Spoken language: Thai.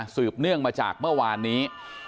เนื่องมาจากเมื่อวานนี้